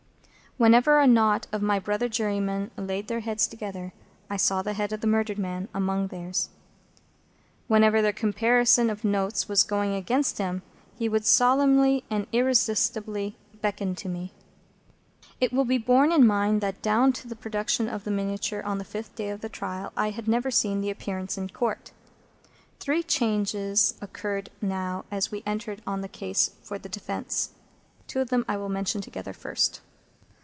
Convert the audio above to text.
Whenever a knot of my brother jurymen laid their heads together, I saw the head of the murdered man among theirs. Whenever their comparison of notes was going against him, he would solemnly and irresistibly beckon to me. It will be borne in mind that down to the production of the miniature, on the fifth day of the trial, I had never seen the Appearance in Court. Three changes occurred now that we entered on the case for the defence. Two of them I will mention together, first.